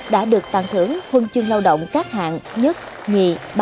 đã được tặng thưởng huân chương lao động các hạng một hai ba